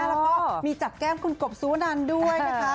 แล้วก็มีจับแก้มคุณกบสุวนันด้วยนะคะ